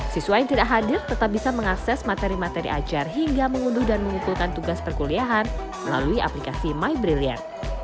siswa yang tidak hadir tetap bisa mengakses materi materi ajar hingga mengunduh dan mengumpulkan tugas perkuliahan melalui aplikasi mybrilliant